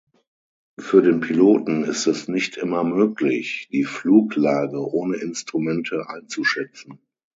Für den Piloten ist es nicht immer möglich, die Fluglage ohne Instrumente einzuschätzen.